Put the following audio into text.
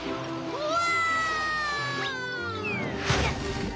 うわ！